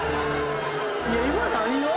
いや今何が。